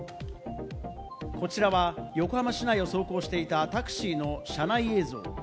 こちらは横浜市内を走行していたタクシーの車内映像。